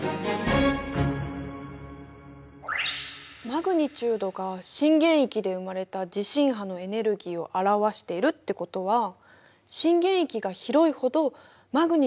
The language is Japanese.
マグニチュードが震源域で生まれた地震波のエネルギーを表しているってことは震源域が広いほどマグニチュードも大きいってこと？